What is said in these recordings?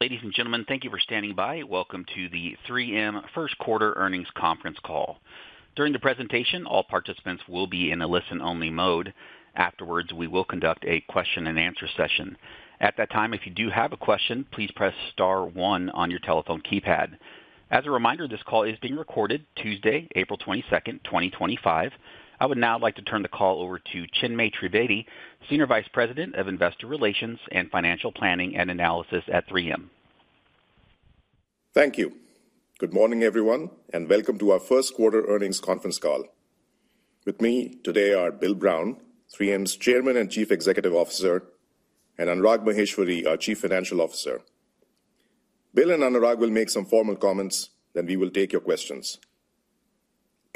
Ladies and gentlemen, thank you for standing by. Welcome to the 3M Q1 Earnings Conference Call. During the presentation, all participants will be in a listen-only mode. Afterwards, we will conduct a question-and-answer session. At that time, if you do have a question, please press star one on your telephone keypad. As a reminder, this call is being recorded Tuesday, April 22, 2025. I would now like to turn the call over to Chinmay Trivedi, Senior Vice President of Investor Relations and Financial Planning and Analysis at 3M. Thank you. Good morning, everyone, and welcome to our Q1 Earnings Conference Call. With me today are Bill Brown, 3M's Chairman and CEO, and Anurag Maheshwari, our CFO. Bill and Anurag will make some formal comments, then we will take your questions.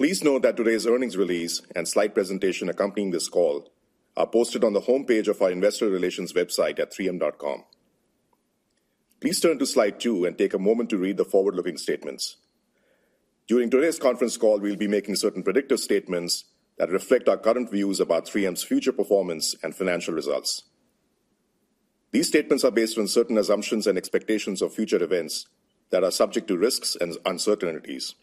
Please note that today's earnings release and slide presentation accompanying this call are posted on the homepage of our Investor Relations website at 3M.com. Please turn to slide two and take a moment to read the forward-looking statements. During today's conference call, we'll be making certain predictive statements that reflect our current views about 3M's future performance and financial results. These statements are based on certain assumptions and expectations of future events that are subject to risks and uncertainties.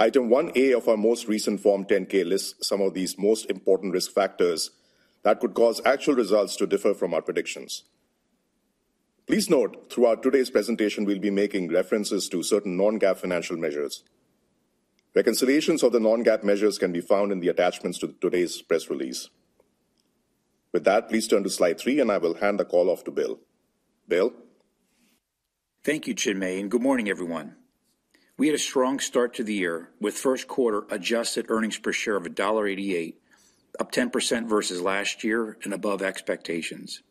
Item 1A of our most recent Form 10-K lists some of these most important risk factors that could cause actual results to differ from our predictions. Please note, throughout today's presentation, we'll be making references to certain non-GAAP financial measures. Reconciliations of the non-GAAP measures can be found in the attachments to today's press release. With that, please turn to slide three, and I will hand the call off to Bill. Bill? Thank you, Chinmay, and good morning, everyone. We had a strong start to the year with Q1 adjusted earnings per share of $1.88, up 10% versus last year and above expectations.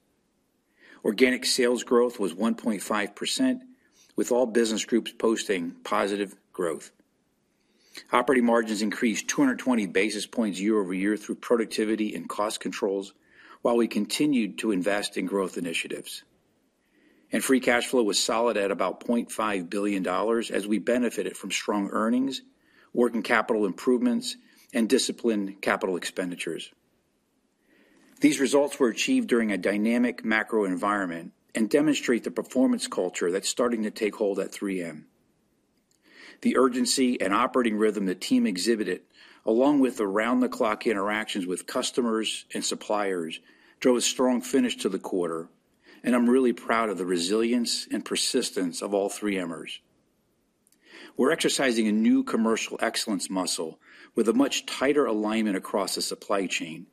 Organic sales growth was 1.5%, with all business groups posting positive growth. Operating margins increased 220 basis points year over year through productivity and cost controls, while we continued to invest in growth initiatives. Free cash flow was solid at about $500 million, as we benefited from strong earnings, working capital improvements, and disciplined capital expenditures. These results were achieved during a dynamic macro environment and demonstrate the performance culture that's starting to take hold at 3M. The urgency and operating rhythm the team exhibited, along with around-the-clock interactions with customers and suppliers, drove a strong finish to the quarter, and I'm really proud of the resilience and persistence of all 3Mers. We're exercising a new commercial excellence muscle with a much tighter alignment across the supply chain,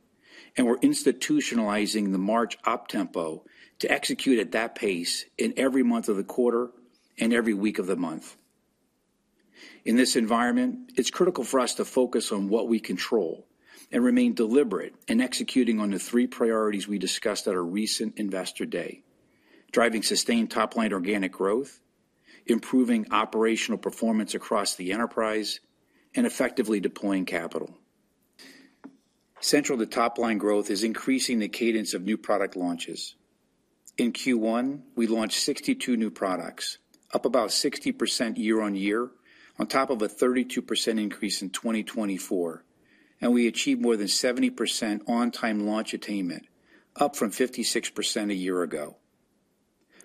and we're institutionalizing the March OpTempo to execute at that pace in every month of the quarter and every week of the month. In this environment, it's critical for us to focus on what we control and remain deliberate in executing on the three priorities we discussed at our recent Investor Day: driving sustained top-line organic growth, improving operational performance across the enterprise, and effectively deploying capital. Central to top-line growth is increasing the cadence of new product launches. In Q1, we launched 62 new products, up about 60% year-on-year on top of a 32% increase in 2024, and we achieved more than 70% on-time launch attainment, up from 56% a year ago.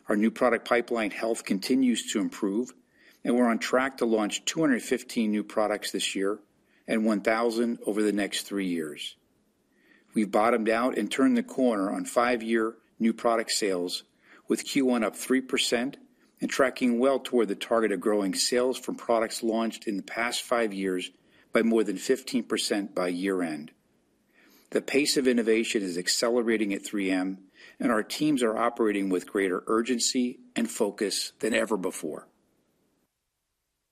Our new product pipeline health continues to improve, and we're on track to launch 215 new products this year and 1,000 over the next three years. We've bottomed out and turned the corner on five-year new product sales, with Q1 up 3% and tracking well toward the target of growing sales from products launched in the past five years by more than 15% by year-end. The pace of innovation is accelerating at 3M, and our teams are operating with greater urgency and focus than ever before.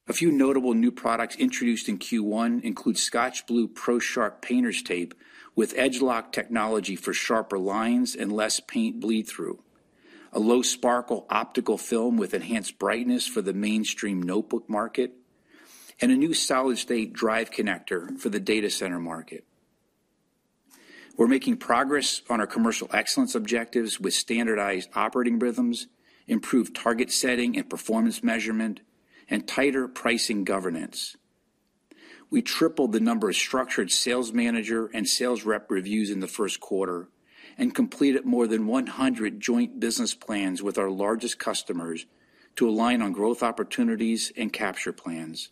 A few notable new products introduced in Q1 include ScotchBlue PROSharp Painter's Tape with Edge-Lock technology for sharper lines and less paint bleed-through, a low sparkle optical film with enhanced brightness for the mainstream notebook market, and a new solid-state drive connector for the data center market. We're making progress on our commercial excellence objectives with standardized operating rhythms, improved target setting and performance measurement, and tighter pricing governance. We tripled the number of structured sales manager and sales rep reviews in the Q1 and completed more than 100 joint business plans with our largest customers to align on growth opportunities and capture plans.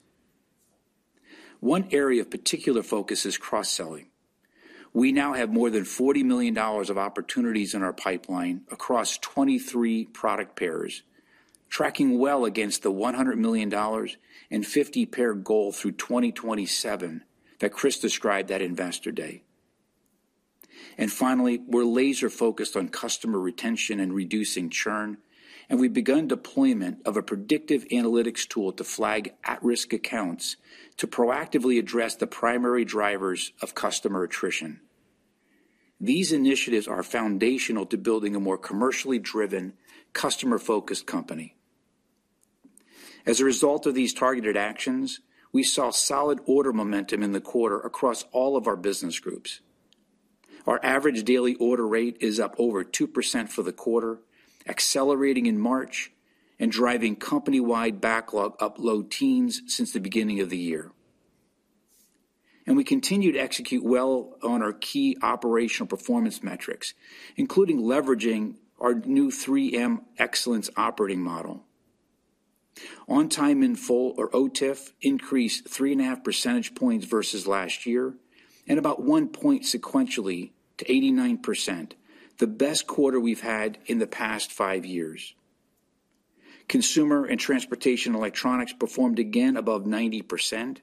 One area of particular focus is cross-selling. We now have more than $40 million of opportunities in our pipeline across 23 product pairs, tracking well against the $100 million and 50-pair goal through 2027 that Chris described at Investor Day. Finally, we're laser-focused on customer retention and reducing churn, and we've begun deployment of a predictive analytics tool to flag at-risk accounts to proactively address the primary drivers of customer attrition. These initiatives are foundational to building a more commercially driven, customer-focused company. As a result of these targeted actions, we saw solid order momentum in the quarter across all of our business groups. Our average daily order rate is up over 2% for the quarter, accelerating in March and driving company-wide backlog up low teens since the beginning of the year. We continued to execute well on our key operational performance metrics, including leveraging our new 3M Excellence operating model. On-Time In-Full, or OTIF, increased 3.5% points versus last year and about one point sequentially to 89%, the best quarter we've had in the past five years. Consumer and Transportation Electronics performed again above 90%,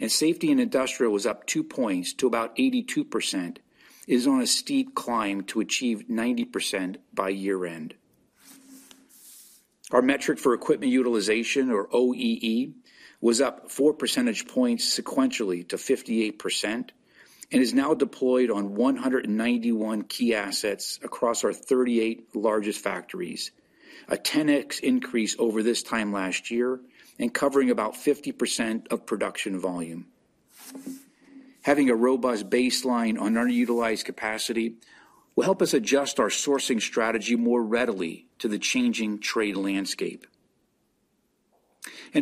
and Safety and Industrial was up two points to about 82%, is on a steep climb to achieve 90% by year-end. Our metric for equipment utilization, or OEE, was up 4% points sequentially to 58% and is now deployed on 191 key assets across our 38 largest factories, a 10x increase over this time last year and covering about 50% of production volume. Having a robust baseline on underutilized capacity will help us adjust our sourcing strategy more readily to the changing trade landscape.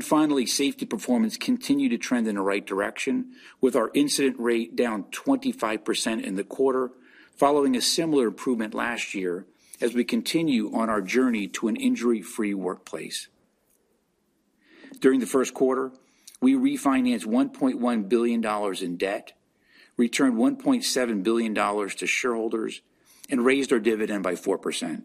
Finally, safety performance continued to trend in the right direction, with our incident rate down 25% in the quarter, following a similar improvement last year as we continue on our journey to an injury-free workplace. During the Q1, we refinanced $1.1 billion in debt, returned $1.7 billion to shareholders, and raised our dividend by 4%.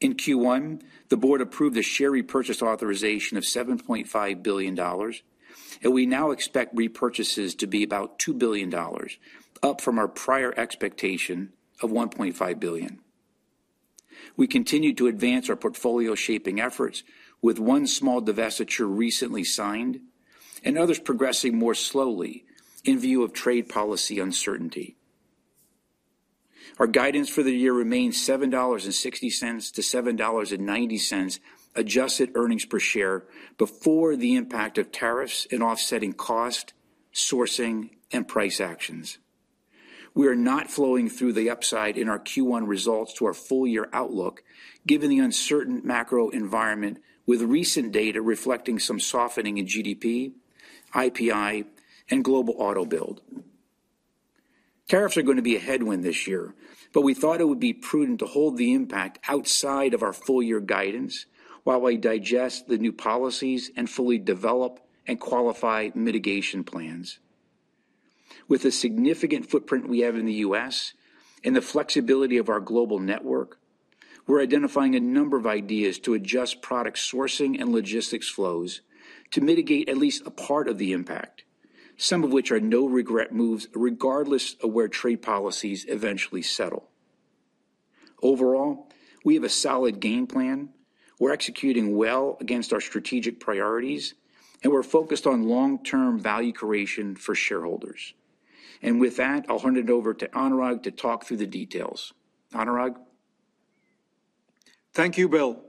In Q1, the board approved a share repurchase authorization of $7.5 billion, and we now expect repurchases to be about $2 billion, up from our prior expectation of $1.5 billion. We continue to advance our portfolio-shaping efforts with one small divestiture recently signed and others progressing more slowly in view of trade policy uncertainty. Our guidance for the year remains $7.60-$7.90 adjusted earnings per share before the impact of tariffs and offsetting cost, sourcing, and price actions. We are not flowing through the upside in our Q1 results to our full-year outlook, given the uncertain macro environment with recent data reflecting some softening in GDP, IPI, and global auto build. Tariffs are going to be a headwind this year, but we thought it would be prudent to hold the impact outside of our full-year guidance while we digest the new policies and fully develop and qualify mitigation plans. With the significant footprint we have in the U.S. and the flexibility of our global network, we're identifying a number of ideas to adjust product sourcing and logistics flows to mitigate at least a part of the impact, some of which are no-regret moves regardless of where trade policies eventually settle. Overall, we have a solid game plan. We're executing well against our strategic priorities, and we're focused on long-term value creation for shareholders. With that, I'll hand it over to Anurag to talk through the details. Anurag? Thank you, Bill.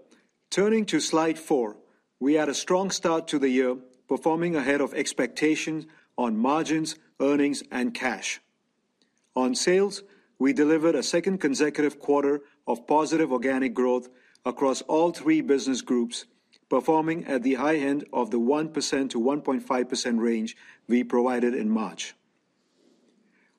Turning to slide four, we had a strong start to the year, performing ahead of expectations on margins, earnings, and cash. On sales, we delivered a second consecutive quarter of positive organic growth across all three business groups, performing at the high end of the 1%-1.5% range we provided in March.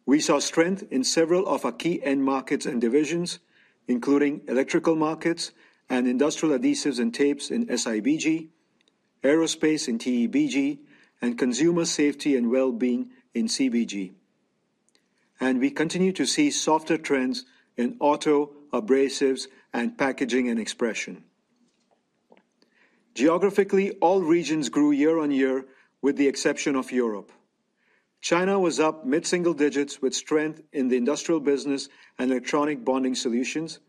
We saw strength in several of our key end markets and divisions, Electrical Markets and Industrial Adhesives and Tapes in SIBG, Aerospace in TEBG, and Consumer Safety and Well-Being in CBG. We continue to see softer trends in Auto, Abrasives, and Packaging and Expressions. Geographically, all regions grew year-on-year with the exception of Europe. China was up mid-single digits with strength in the industrial business and electronics bonding solutions,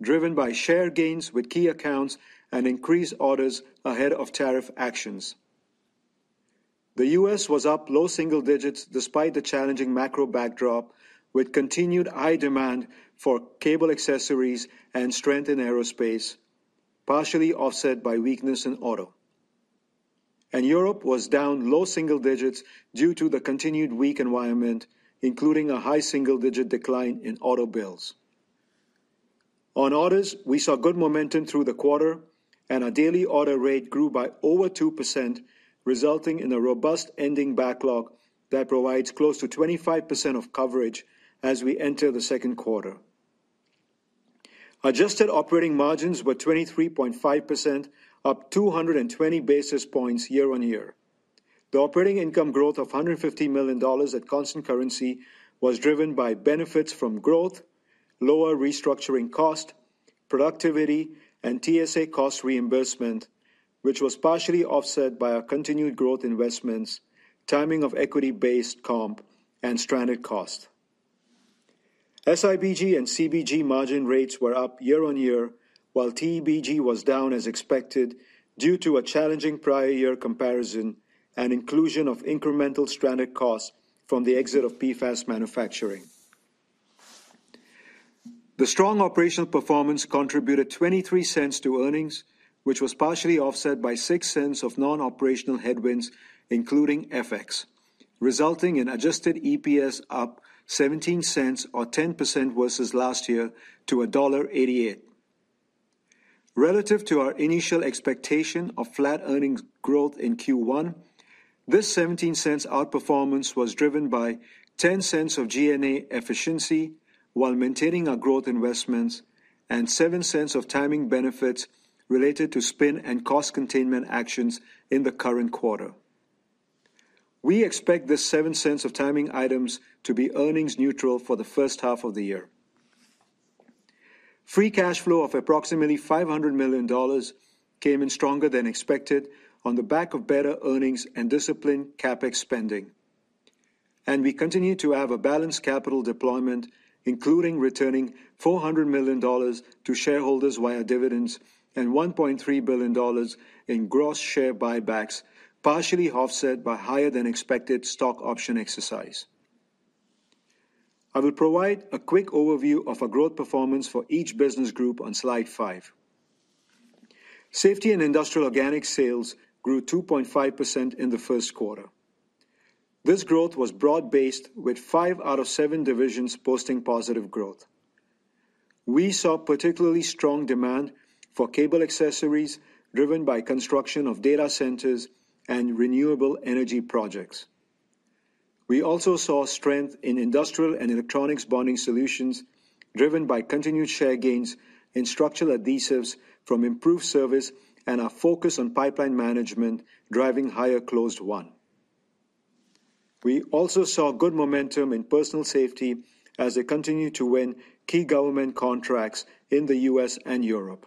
driven by share gains with key accounts and increased orders ahead of tariff actions. The U.S. was up low single digits despite the challenging macro backdrop with continued high demand for cable accessories and strength in Aerospace, partially offset by weakness in auto. Europe was down low single digits due to the continued weak environment, including a high single-digit decline in auto builds. On orders, we saw good momentum through the quarter, and our daily order rate grew by over 2%, resulting in a robust ending backlog that provides close to 25% of coverage as we enter the Q2. Adjusted operating margins were 23.5%, up 220 basis points year-on-year. The operating income growth of $150 million at constant currency was driven by benefits from growth, lower restructuring cost, productivity, and TSA cost reimbursement, which was partially offset by our continued growth investments, timing of equity-based comp, and stranded cost. SIBG and CBG margin rates were up year-on-year, while TEBG was down as expected due to a challenging prior-year comparison and inclusion of incremental stranded costs from the exit of PFAS manufacturing. The strong operational performance contributed $0.23 to earnings, which was partially offset by $0.06 of non-operational headwinds, including FX, resulting in adjusted EPS up $0.17, or 10% versus last year, to $1.88. Relative to our initial expectation of flat earnings growth in Q1, this $0.17 outperformance was driven by $0.10 of G&A efficiency while maintaining our growth investments and $0.07 of timing benefits related to spin and cost containment actions in the current quarter. We expect this $0.07 of timing items to be earnings-neutral for the first half of the year. Free cash flow of approximately $500 million came in stronger than expected on the back of better earnings and disciplined CapEx spending. We continue to have a balanced capital deployment, including returning $400 million to shareholders via dividends and $1.3 billion in gross share buybacks, partially offset by higher-than-expected stock option exercise. I will provide a quick overview of our growth performance for each business group on slide five. Safety and Industrial organic sales grew 2.5% in the Q1. This growth was broad-based, with five out of seven divisions posting positive growth. We saw particularly strong demand for cable accessories driven by construction of data centers and renewable energy projects. We also saw strength in industrial and electronics bonding solutions driven by continued share gains in structural adhesives from improved service and our focus on pipeline management driving higher closed won. We also saw good momentum in Personal Safety as they continue to win key government contracts in the U.S. and Europe.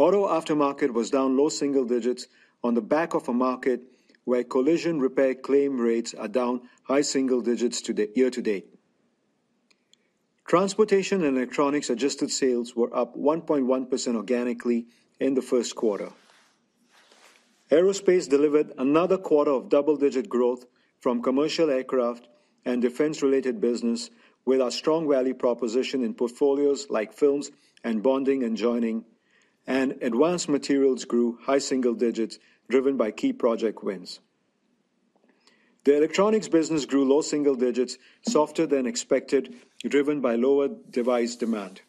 Auto Aftermarket was down low single digits on the back of a market where collision repair claim rates are down high single digits to year-to-date. Transportation and Electronics adjusted sales were up 1.1% organically in the Q1. Aerospace delivered another quarter of double-digit growth from commercial aircraft and defense-related business with our strong value proposition in portfolios like films and bonding and joining, and Advanced Materials grew high single digits driven by key project wins. The electronics business grew low single digits, softer than expected, driven by lower device demand.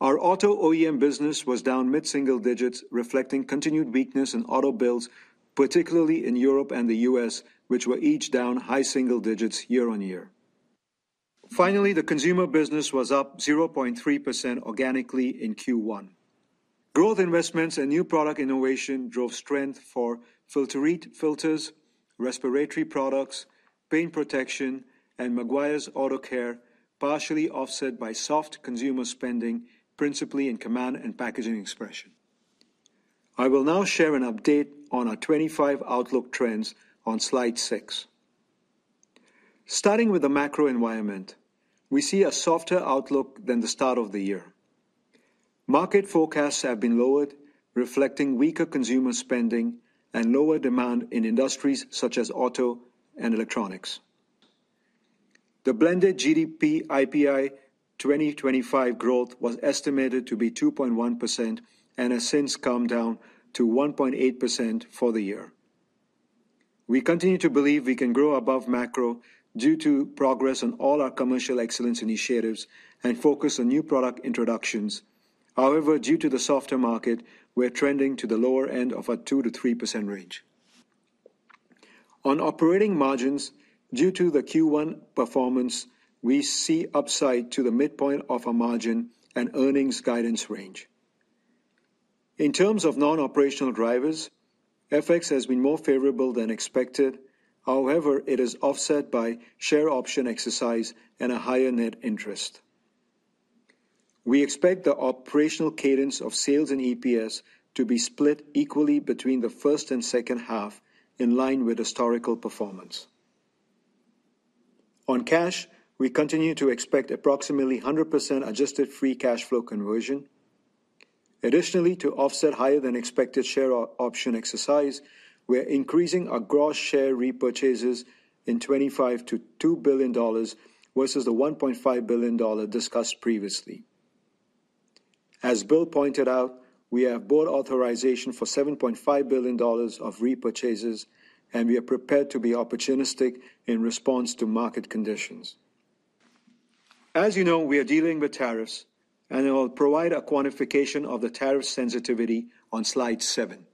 Our auto OEM business was down mid-single digits, reflecting continued weakness in auto builds, particularly in Europe and the U.S., which were each down high single digits year-on-year. Finally, the consumer business was up 0.3% organically in Q1. Growth investments and new product innovation drove strength for Filtrete filters, respiratory products, paint protection, and Meguiar's Auto Care, partially offset by soft consumer spending, principally in Command and Packaging and Expressions. I will now share an update on our 2025 outlook trends on slide six. Starting with the macro environment, we see a softer outlook than the start of the year. Market forecasts have been lowered, reflecting weaker consumer spending and lower demand in industries such as auto and electronics. The blended GDP IPI 2025 growth was estimated to be 2.1% and has since come down to 1.8% for the year. We continue to believe we can grow above macro due to progress on all our commercial excellence initiatives and focus on new product introductions. However, due to the softer market, we're trending to the lower end of a 2%-3% range. On operating margins, due to the Q1 performance, we see upside to the midpoint of our margin and earnings guidance range. In terms of non-operational drivers, FX has been more favorable than expected. However, it is offset by share option exercise and a higher net interest. We expect the operational cadence of sales and EPS to be split equally between the first and second half in line with historical performance. On cash, we continue to expect approximately 100% adjusted free cash flow conversion. Additionally, to offset higher-than-expected share option exercise, we're increasing our gross share repurchases in 2025 to $2 billion versus the $1.5 billion discussed previously. As Bill pointed out, we have board authorization for $7.5 billion of repurchases, and we are prepared to be opportunistic in response to market conditions. As you know, we are dealing with tariffs, and I'll provide a quantification of the tariff sensitivity on slide seven.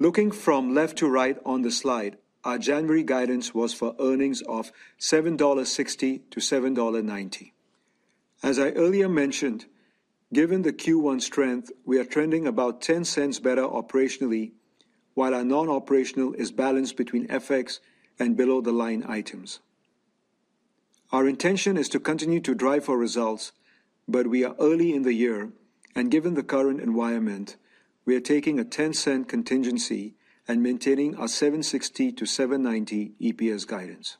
Looking from left to right on the slide, our January guidance was for earnings of $7.60-$7.90. As I earlier mentioned, given the Q1 strength, we are trending about 10 cents better operationally, while our non-operational is balanced between FX and below-the-line items. Our intention is to continue to drive for results, but we are early in the year, and given the current environment, we are taking a $0.10 contingency and maintaining our $7.60-$7.90 EPS guidance.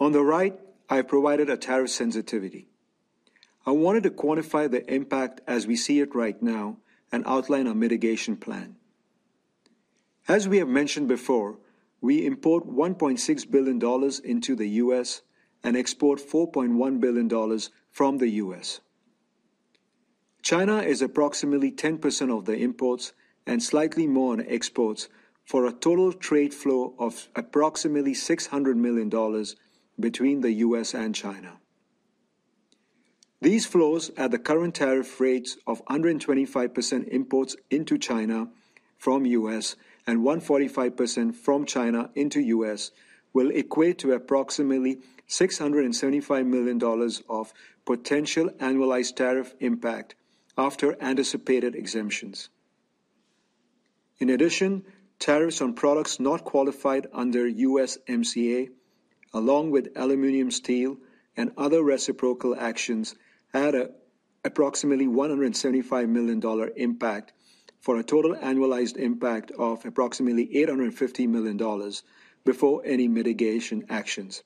On the right, I've provided a tariff sensitivity. I wanted to quantify the impact as we see it right now and outline our mitigation plan. As we have mentioned before, we import $1.6 billion into the U.S. and export $4.1 billion from the U.S. China is approximately 10% of the imports and slightly more on exports for a total trade flow of approximately $600 million between the U.S. and China. These flows at the current tariff rates of 125% imports into China from the U.S. and 145% from China into the U.S. will equate to approximately $675 million of potential annualized tariff impact after anticipated exemptions. In addition, tariffs on products not qualified under USMCA, along with aluminum, steel, and other reciprocal actions, had approximately $175 million impact for a total annualized impact of approximately $850 million before any mitigation actions.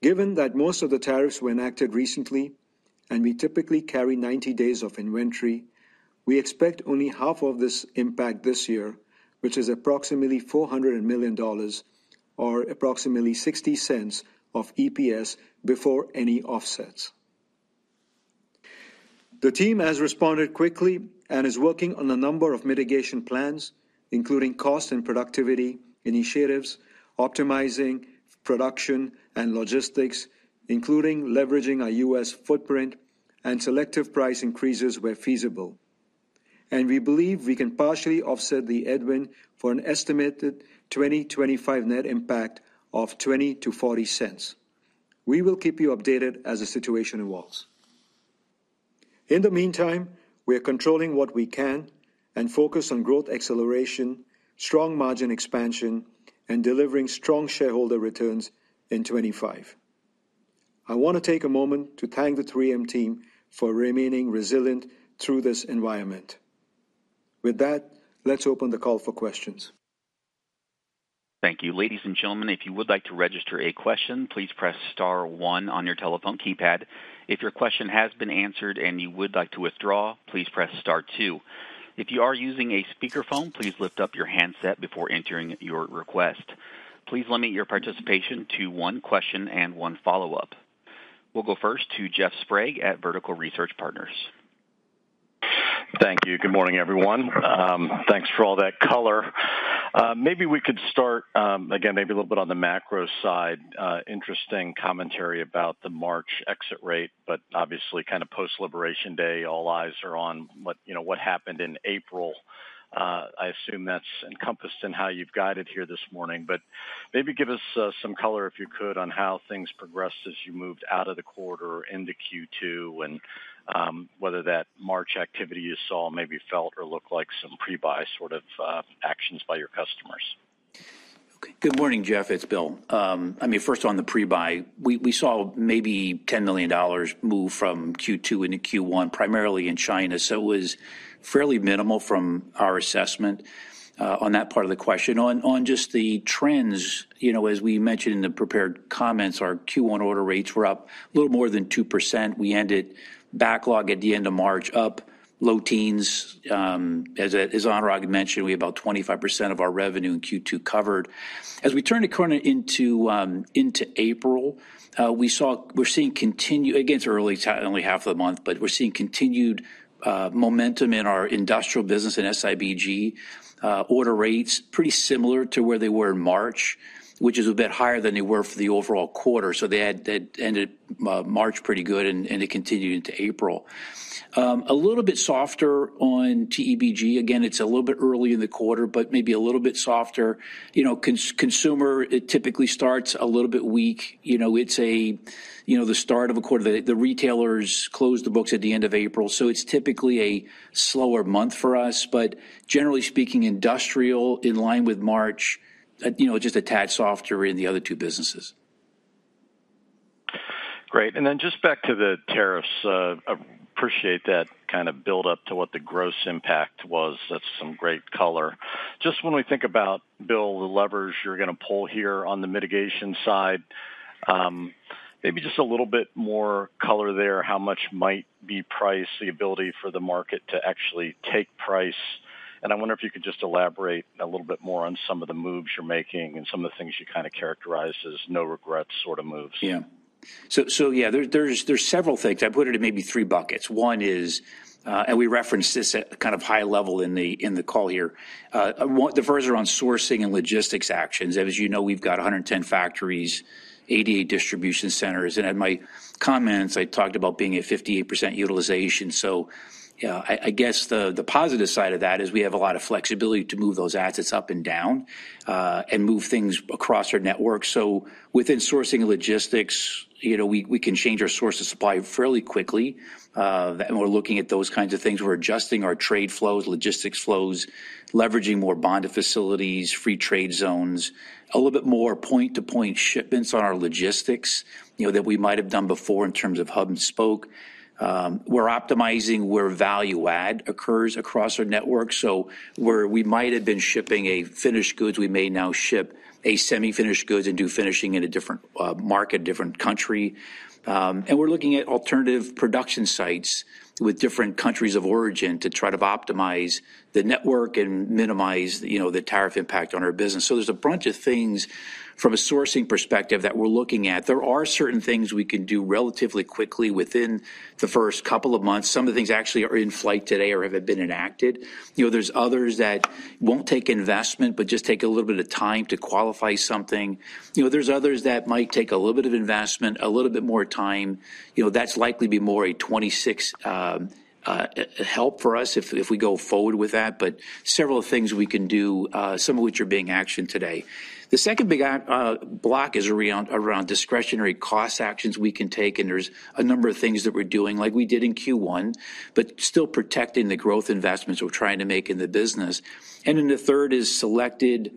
Given that most of the tariffs were enacted recently, and we typically carry 90 days of inventory, we expect only half of this impact this year, which is approximately $400 million or approximately $0.60 of EPS before any offsets. The team has responded quickly and is working on a number of mitigation plans, including cost and productivity initiatives, optimizing production and logistics, including leveraging our U.S. footprint and selective price increases where feasible. We believe we can partially offset the headwind for an estimated 2025 net impact of $0.20-$0.40. We will keep you updated as the situation evolves. In the meantime, we are controlling what we can and focus on growth acceleration, strong margin expansion, and delivering strong shareholder returns in 2025. I want to take a moment to thank the 3M team for remaining resilient through this environment. With that, let's open the call for questions. Thank you. Ladies and gentlemen, if you would like to register a question, please press Star one on your telephone keypad. If your question has been answered and you would like to withdraw, please press Star two. If you are using a speakerphone, please lift up your handset before entering your request. Please limit your participation to one question and one follow-up. We'll go first to Jeff Sprague at Vertical Research Partners. Thank you. Good morning, everyone. Thanks for all that color. Maybe we could start again, maybe a little bit on the macro side. Interesting commentary about the March exit rate, but obviously kind of post-liberation day, all eyes are on what happened in April. I assume that's encompassed in how you've guided here this morning, but maybe give us some color if you could on how things progressed as you moved out of the quarter into Q2 and whether that March activity you saw maybe felt or looked like some pre-buy sort of actions by your customers. Good morning, Jeff. It's Bill. I mean, first on the pre-buy, we saw maybe $10 million move from Q2 into Q1, primarily in China. It was fairly minimal from our assessment on that part of the question. On just the trends, as we mentioned in the prepared comments, our Q1 order rates were up a little more than 2%. We ended backlog at the end of March up low teens. As Anurag mentioned, we had about 25% of our revenue in Q2 covered. As we turn the corner into April, we're seeing continued—again, it's early, it's only half of the month—but we're seeing continued momentum in our industrial business and SIBG order rates, pretty similar to where they were in March, which is a bit higher than they were for the overall quarter. They had ended March pretty good, and it continued into April. A little bit softer on TEBG. Again, it's a little bit early in the quarter, but maybe a little bit softer. Consumer, it typically starts a little bit weak. It's the start of a quarter. The retailers close the books at the end of April, so it's typically a slower month for us. Generally speaking, industrial, in line with March, it is just a tad softer in the other two businesses. Great. Just back to the tariffs. I appreciate that kind of build-up to what the gross impact was. That's some great color. Just when we think about, Bill, the levers you're going to pull here on the mitigation side, maybe just a little bit more color there, how much might be price, the ability for the market to actually take price. I wonder if you could just elaborate a little bit more on some of the moves you're making and some of the things you kind of characterize as no-regrets sort of moves. Yeah. Yeah, there's several things. I put it in maybe three buckets. One is, and we referenced this at kind of high level in the call here, the first are on sourcing and logistics actions. As you know, we've got 110 factories, 88 distribution centers. In my comments, I talked about being at 58% utilization. I guess the positive side of that is we have a lot of flexibility to move those assets up and down and move things across our network. Within sourcing and logistics, we can change our source of supply fairly quickly. We're looking at those kinds of things. We're adjusting our trade flows, logistics flows, leveraging more bonded facilities, free trade zones, a little bit more point-to-point shipments on our logistics that we might have done before in terms of hub and spoke. We're optimizing where value add occurs across our network. Where we might have been shipping a finished goods, we may now ship a semi-finished goods and do finishing in a different market, different country. We're looking at alternative production sites with different countries of origin to try to optimize the network and minimize the tariff impact on our business. There's a bunch of things from a sourcing perspective that we're looking at. There are certain things we can do relatively quickly within the first couple of months. Some of the things actually are in flight today or have been enacted. There's others that won't take investment, but just take a little bit of time to qualify something. There's others that might take a little bit of investment, a little bit more time. That's likely to be more a 2026 help for us if we go forward with that. Several things we can do, some of which are being actioned today. The second big block is around discretionary cost actions we can take. There's a number of things that we're doing, like we did in Q1, but still protecting the growth investments we're trying to make in the business. The third is selected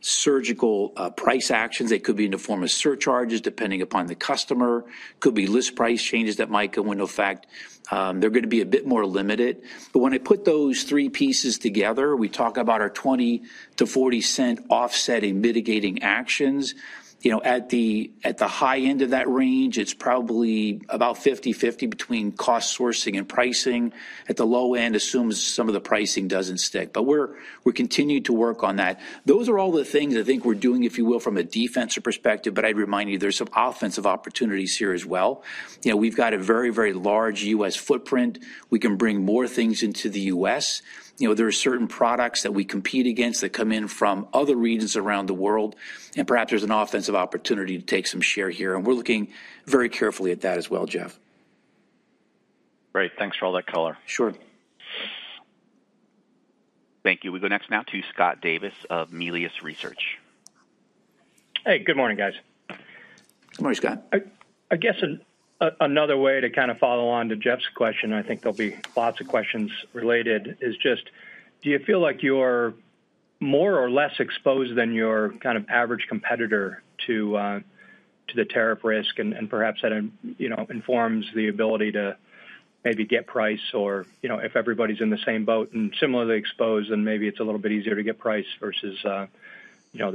surgical price actions. They could be in the form of surcharges, depending upon the customer. Could be list price changes that might go into effect. They're going to be a bit more limited. When I put those three pieces together, we talk about our $0.20-$0.40 offsetting mitigating actions. At the high end of that range, it is probably about 50/50 between cost sourcing and pricing. At the low end, assumes some of the pricing does not stick. We are continuing to work on that. Those are all the things I think we are doing, if you will, from a defensive perspective. I would remind you, there are some offensive opportunities here as well. We have got a very, very large U.S. footprint. We can bring more things into the U.S. There are certain products that we compete against that come in from other regions around the world. Perhaps there is an offensive opportunity to take some share here. We are looking very carefully at that as well, Jeff. Great. Thanks for all that color. Sure. Thank you. We go next now to Scott Davis of Melius Research. Hey, good morning, guys. Good morning, Scott. I guess another way to kind of follow on to Jeff's question, and I think there'll be lots of questions related, is just, do you feel like you're more or less exposed than your kind of average competitor to the tariff risk? And perhaps that informs the ability to maybe get price or if everybody's in the same boat and similarly exposed, then maybe it's a little bit easier to get price versus the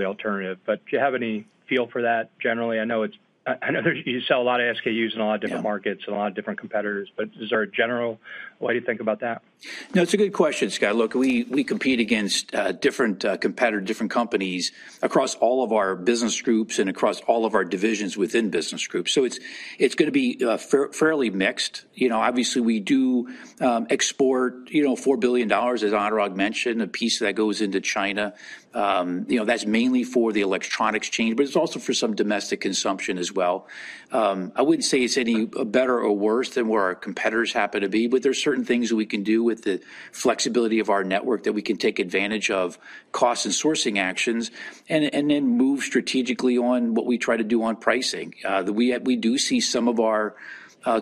alternative. Do you have any feel for that generally? I know you sell a lot of SKUs in a lot of different markets and a lot of different competitors, but is there a general—why do you think about that? No, it's a good question, Scott. Look, we compete against different competitors, different companies across all of our business groups and across all of our divisions within business groups. It is going to be fairly mixed. Obviously, we do export $4 billion, as Anurag mentioned, a piece that goes into China. That is mainly for the electronics chain, but it is also for some domestic consumption as well. I would not say it is any better or worse than where our competitors happen to be, but there are certain things that we can do with the flexibility of our network that we can take advantage of cost and sourcing actions and then move strategically on what we try to do on pricing. We do see some of our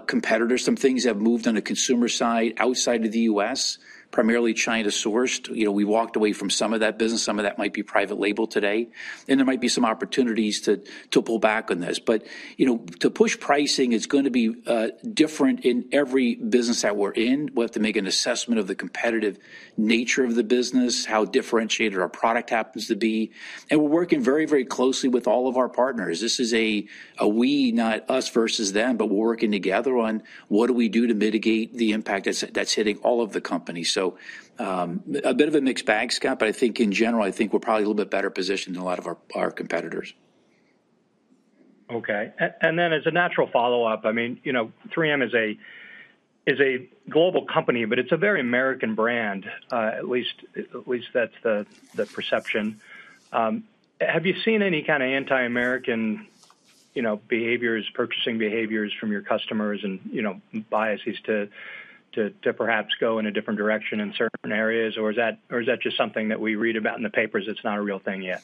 competitors, some things have moved on the consumer side outside of the U.S., primarily China-sourced. We walked away from some of that business. Some of that might be private label today. There might be some opportunities to pull back on this. To push pricing, it's going to be different in every business that we're in. We have to make an assessment of the competitive nature of the business, how differentiated our product happens to be. We're working very, very closely with all of our partners. This is a we, not us versus them, but we're working together on what do we do to mitigate the impact that's hitting all of the companies. A bit of a mixed bag, Scott, but I think in general, I think we're probably a little bit better positioned than a lot of our competitors. Okay. As a natural follow-up, I mean, 3M is a global company, but it's a very American brand. At least that's the perception. Have you seen any kind of anti-American behaviors, purchasing behaviors from your customers and biases to perhaps go in a different direction in certain areas? Or is that just something that we read about in the papers? It's not a real thing yet.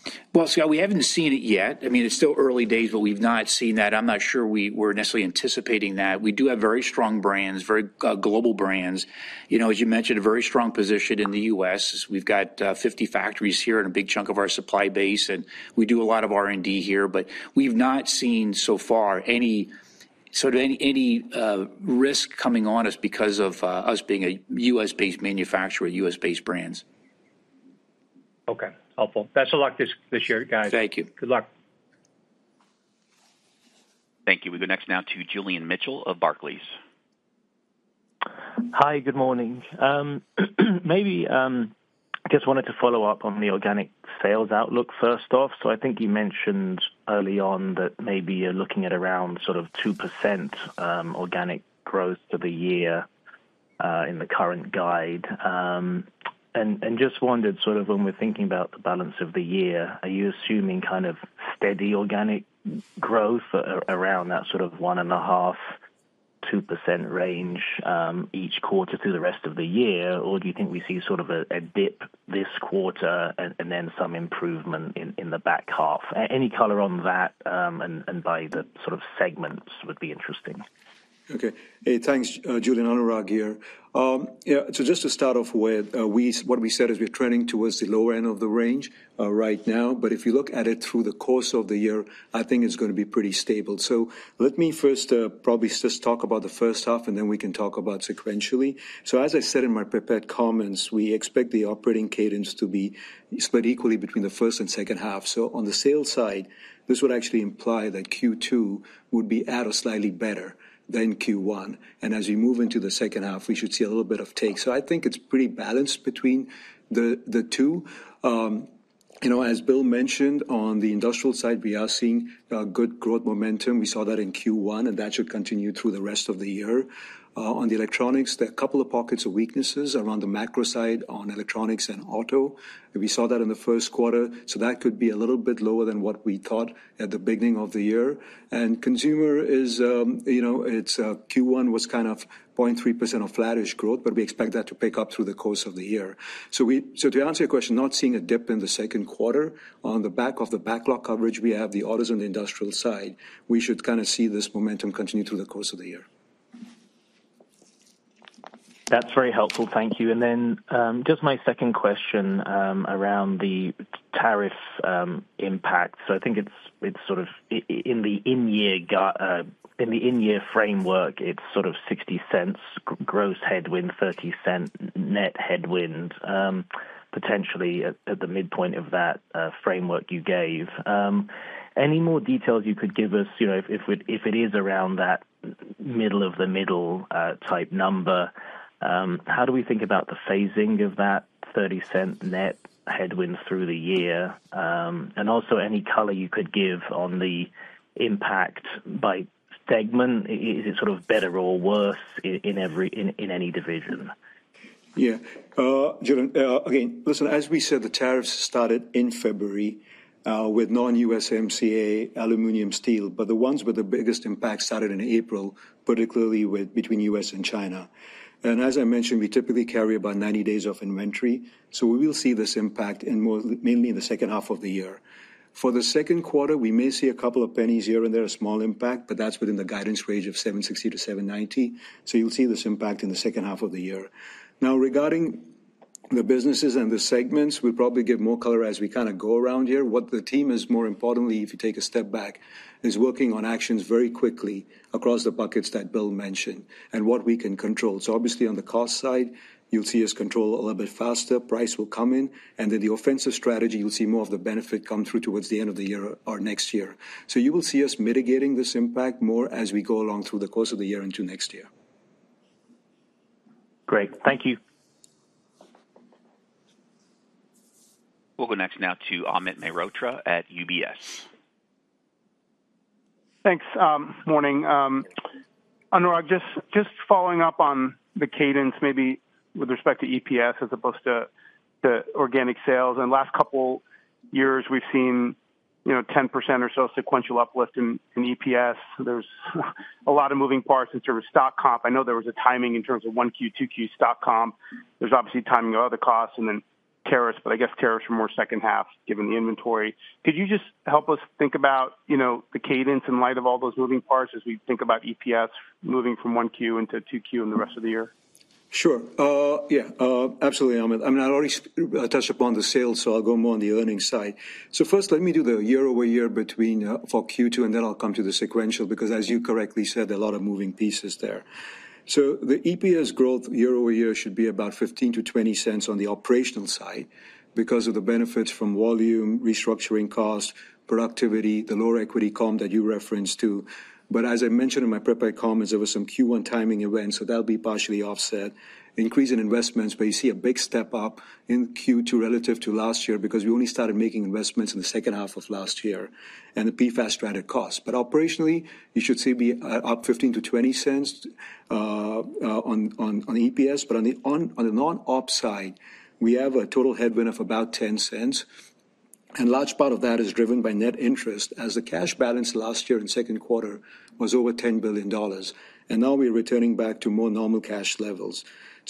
Scott, we haven't seen it yet. I mean, it's still early days, but we've not seen that. I'm not sure we're necessarily anticipating that. We do have very strong brands, very global brands. As you mentioned, a very strong position in the U.S. We've got 50 factories here and a big chunk of our supply base. We do a lot of R&D here, but we've not seen so far any sort of any risk coming on us because of us being a U.S.-based manufacturer, U.S.-based brands. Okay. Helpful. Best of luck this year, guys. Thank you. Good luck. Thank you. We go next now to Julian Mitchell of Barclays. Hi, good morning. Maybe I just wanted to follow up on the organic sales outlook first off. I think you mentioned early on that maybe you're looking at around sort of 2% organic growth for the year in the current guide. I just wondered when we're thinking about the balance of the year, are you assuming kind of steady organic growth around that sort of 1.5%-2% range each quarter through the rest of the year, or do you think we see a dip this quarter and then some improvement in the back half? Any color on that and by the segments would be interesting. Okay. Hey, thanks, Julian, Anurag here. Just to start off with, what we said is we're trending towards the lower end of the range right now. If you look at it through the course of the year, I think it's going to be pretty stable. Let me first probably just talk about the first half, and then we can talk about sequentially. As I said in my prepared comments, we expect the operating cadence to be split equally between the first and second half. On the sales side, this would actually imply that Q2 would be at or slightly better than Q1. As we move into the second half, we should see a little bit of take. I think it's pretty balanced between the two. As Bill mentioned, on the industrial side, we are seeing good growth momentum. We saw that in Q1, and that should continue through the rest of the year. On the electronics, there are a couple of pockets of weaknesses around the macro side on electronics and auto. We saw that in the Q1. That could be a little bit lower than what we thought at the beginning of the year. Consumer, Q1 was kind of 0.3% of flattish growth, but we expect that to pick up through the course of the year. To answer your question, not seeing a dip in the Q2. On the back of the backlog coverage, we have the autos on the industrial side. We should kind of see this momentum continue through the course of the year. That's very helpful. Thank you. Just my second question around the tariff impact. I think it's sort of in the in-year framework, it's sort of $0.60 gross headwind, $0.30 net headwind, potentially at the midpoint of that framework you gave. Any more details you could give us if it is around that middle of the middle type number? How do we think about the phasing of that $0.30 net headwind through the year? Also, any color you could give on the impact by segment? Is it sort of better or worse in any division? Yeah. Again, listen, as we said, the tariffs started in February with non-USMCA aluminum steel, but the ones with the biggest impact started in April, particularly between the U.S. and China. As I mentioned, we typically carry about 90 days of inventory. We will see this impact mainly in the second half of the year. For the Q2, we may see a couple of pennies here and there, a small impact, but that's within the guidance range of $7.60-$7.90. You will see this impact in the second half of the year. Now, regarding the businesses and the segments, we'll probably give more color as we kind of go around here. What the team is, more importantly, if you take a step back, is working on actions very quickly across the buckets that Bill mentioned and what we can control. Obviously, on the cost side, you'll see us control a little bit faster. Price will come in. The offensive strategy, you'll see more of the benefit come through towards the end of the year or next year. You will see us mitigating this impact more as we go along through the course of the year into next year. Great. Thank you. We'll go next now to Amit Mehrotra at UBS. Thanks. Morning. Anurag, just following up on the cadence, maybe with respect to EPS as opposed to organic sales. In the last couple of years, we've seen 10% or so sequential uplift in EPS. There's a lot of moving parts in terms of stock comp. I know there was a timing in terms of Q1, Q2 stock comp. There's obviously timing of other costs and then tariffs, but I guess tariffs from more second half given the inventory. Could you just help us think about the cadence in light of all those moving parts as we think about EPS moving from Q1 into Q2 in the rest of the year? Sure. Yeah. Absolutely, Amit. I mean, I already touched upon the sales, so I'll go more on the earnings side. First, let me do the year-over-year between for Q2, and then I'll come to the sequential because, as you correctly said, there are a lot of moving pieces there. The EPS growth year-over-year should be about $0.15-$0.20 on the operational side because of the benefits from volume, restructuring cost, productivity, the lower equity comp that you referenced to. As I mentioned in my prepared comments, there were some Q1 timing events, so that'll be partially offset. Increase in investments, but you see a big step up in Q2 relative to last year because we only started making investments in the second half of last year and the PFAS strategy cost. Operationally, you should see be up $0.15-$0.20 on EPS. On the non-op side, we have a total headwind of about $0.10. A large part of that is driven by net interest as the cash balance last year in Q2 was over $10 billion. Now we're returning back to more normal cash levels.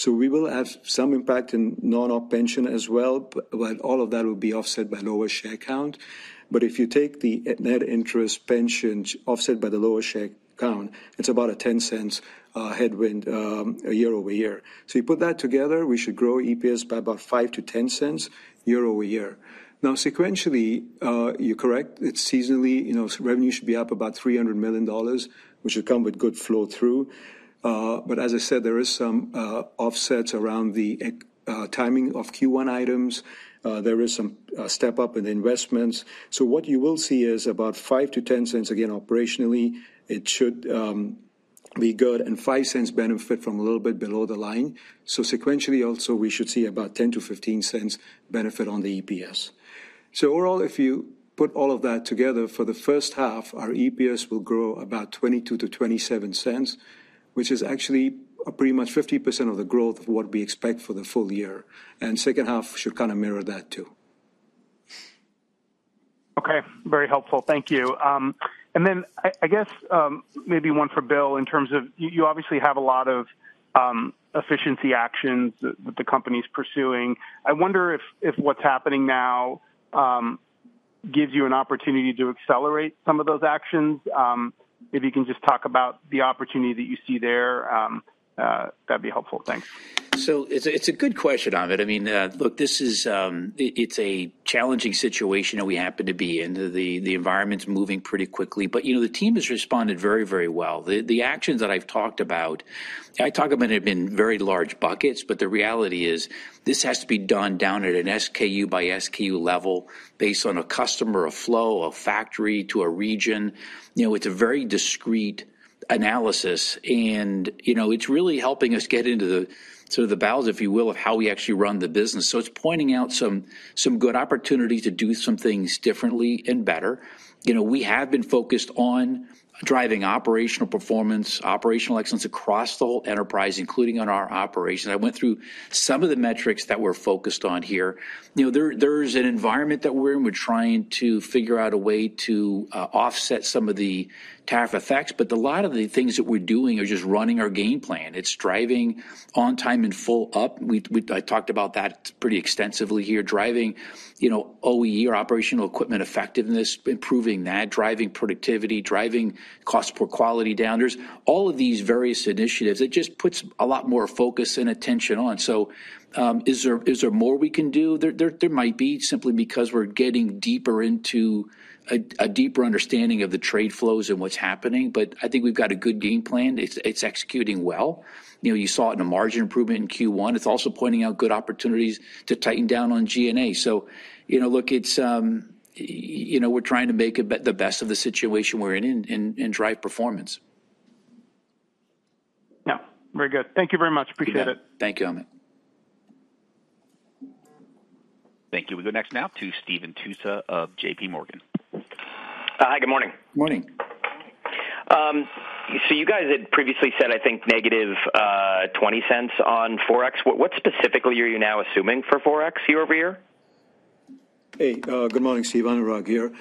We will have some impact in non-op pension as well, but all of that will be offset by lower share count. If you take the net interest pension offset by the lower share count, it's about a $0.10 headwind year-over-year. You put that together, we should grow EPS by about $0.05-$0.10 year-over-year. Sequentially, you're correct. It's seasonally. Revenue should be up about $300 million, which should come with good flow through. As I said, there are some offsets around the timing of Q1 items. There is some step up in the investments. What you will see is about $0.05-$0.10. Again, operationally, it should be good and $0.05 benefit from a little bit below the line. Sequentially, also, we should see about $0.10-$0.15 benefit on the EPS. Overall, if you put all of that together for the first half, our EPS will grow about $0.22-$0.27, which is actually pretty much 50% of the growth of what we expect for the full year. The second half should kind of mirror that too. Okay. Very helpful. Thank you. I guess maybe one for Bill in terms of you obviously have a lot of efficiency actions that the company's pursuing. I wonder if what's happening now gives you an opportunity to accelerate some of those actions. If you can just talk about the opportunity that you see there, that'd be helpful. Thanks. It is a good question, Amit. I mean, look, it's a challenging situation that we happen to be in. The environment's moving pretty quickly. The team has responded very, very well. The actions that I've talked about, I talk about it in very large buckets, but the reality is this has to be done down at an SKU-by-SKU level based on a customer, a flow, a factory to a region. It's a very discreet analysis, and it's really helping us get into the sort of the bows, if you will, of how we actually run the business. It's pointing out some good opportunities to do some things differently and better. We have been focused on driving operational performance, operational excellence across the whole enterprise, including on our operations. I went through some of the metrics that we're focused on here. There's an environment that we're in. We're trying to figure out a way to offset some of the tariff effects. A lot of the things that we're doing are just running our game plan. It's driving on time and full up. I talked about that pretty extensively here, driving OEE or operational equipment effectiveness, improving that, driving productivity, driving cost-per-quality down. There are all of these various initiatives. It just puts a lot more focus and attention on. Is there more we can do? There might be simply because we're getting deeper into a deeper understanding of the trade flows and what's happening. I think we've got a good game plan. It's executing well. You saw it in a margin improvement in Q1. It's also pointing out good opportunities to tighten down on G&A. Look, we're trying to make the best of the situation we're in and drive performance. Yeah. Very good .Thank you very much. Appreciate it. Thank you, Amit. Thank you. We go next now to Steve Tusa of JPMorgan. Hi, good morning. Good morning. You guys had previously said, I think, negative $0.20 on Forex. What specifically are you now assuming for Forex year-over-year? Hey, good morning, Steve. Anurag here.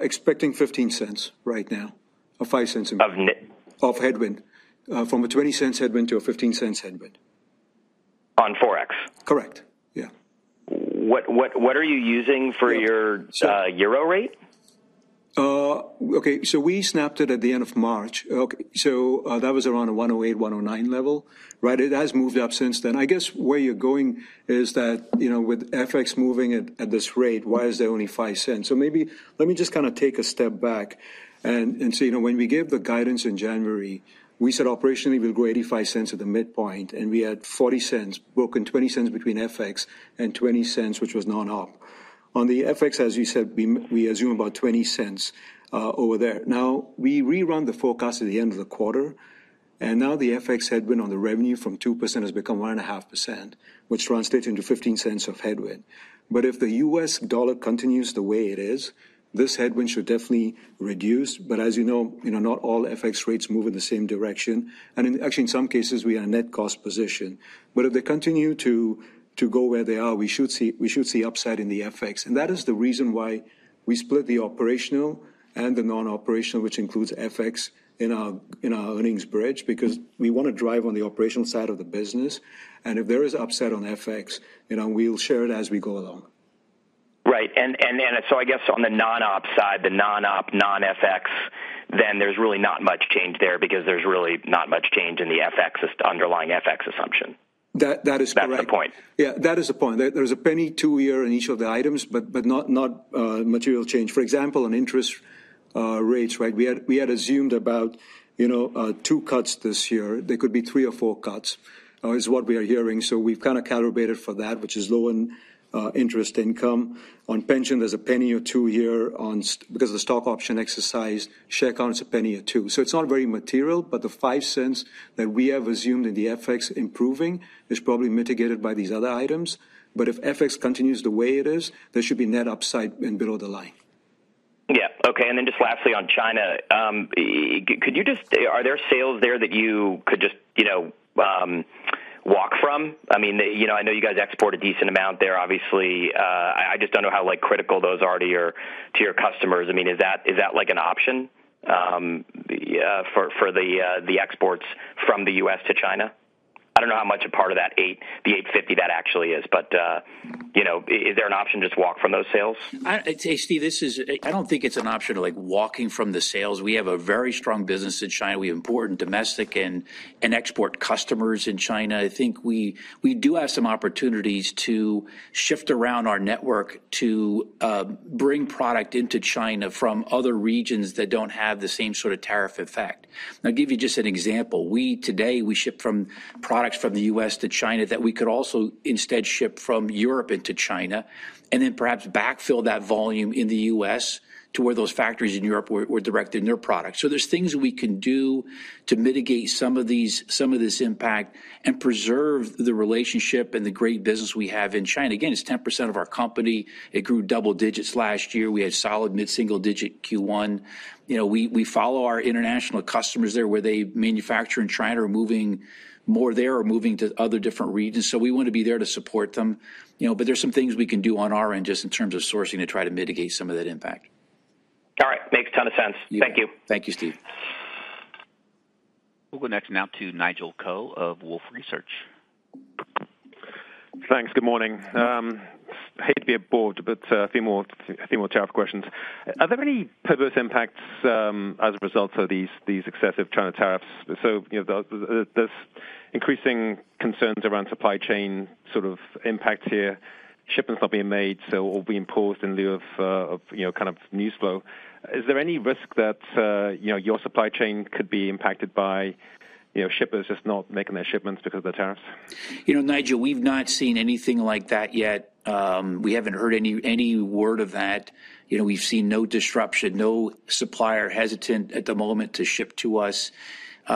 Expecting $0.15 right now or $0.05 of headwind from a $0.20 headwind to a $0.15 headwind. On Forex? Correct. Yeah. What are you using for your euro rate? Okay. We snapped it at the end of March. That was around a 1.08, 1.09 level. Right? It has moved up since then. I guess where you're going is that with FX moving at this rate, why is there only $0.05? Maybe let me just kind of take a step back and say when we gave the guidance in January, we said operationally we'll grow $0.85 at the midpoint, and we had $0.40 broken $0.20 between FX and $0.20, which was non-op. On the FX, as you said, we assume about $0.20 over there. Now, we rerun the forecast at the end of the quarter, and now the FX headwind on the revenue from 2% has become 1.5%, which translates into $0.15 of headwind. If the U.S. dollar continues the way it is, this headwind should definitely reduce. As you know, not all FX rates move in the same direction. Actually, in some cases, we are in a net cost position. If they continue to go where they are, we should see upside in the FX. That is the reason why we split the operational and the non-operational, which includes FX in our earnings bridge, because we want to drive on the operational side of the business. If there is upside on FX, we'll share it as we go along. Right. I guess on the non-op side, the non-op, non-FX, then there's really not much change there because there's really not much change in the underlying FX assumption. That is correct. That's the point. Yeah, that is the point. There's a penny to year in each of the items, but not material change. For example, on interest rates, right? We had assumed about two cuts this year. There could be three or four cuts, is what we are hearing. We've kind of calibrated for that, which is low interest income. On pension, there's a penny or two here because of the stock option exercise. Share count is a penny or two. It is not very material, but the $0.05 that we have assumed in the FX improving is probably mitigated by these other items. If FX continues the way it is, there should be net upside and below the line. Yeah. Okay. Lastly on China, could you just, are there sales there that you could just walk from? I mean, I know you guys export a decent amount there, obviously. I just do not know how critical those are to your customers. I mean, is that an option for the exports from the U.S. to China? I do not know how much a part of that 850 that actually is, but is there an option to just walk from those sales? I'd say, Steve, I don't think it's an option of walking from the sales. We have a very strong business in China. We have important domestic and export customers in China. I think we do have some opportunities to shift around our network to bring product into China from other regions that don't have the same sort of tariff effect. I'll give you just an example. Today, we shipped products from the U.S. to China that we could also instead ship from Europe into China and then perhaps backfill that volume in the U.S. to where those factories in Europe were directing their products. There are things we can do to mitigate some of this impact and preserve the relationship and the great business we have in China. Again, it's 10% of our company. It grew double digits last year. We had solid mid-single digit Q1. We follow our international customers there where they manufacture in China or moving more there or moving to other different regions. We want to be there to support them. There are some things we can do on our end just in terms of sourcing to try to mitigate some of that impact. All right. Makes a ton of sense. Thank you. Thank you, Steve. We'll go next now to Nigel Coe of Wolfe Research. Thanks. Good morning. Hate to be a bore, but a few more tariff questions. Are there any purpose impacts as a result of these excessive China tariffs? There are increasing concerns around supply chain sort of impact here. Shipments not being made, it will be imposed in lieu of kind of news flow. Is there any risk that your supply chain could be impacted by shippers just not making their shipments because of the tariffs? Nigel, we've not seen anything like that yet. We haven't heard any word of that. We've seen no disruption, no supplier hesitant at the moment to ship to us.